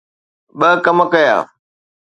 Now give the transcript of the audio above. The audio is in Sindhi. ”ٻه ڪم ڪيا.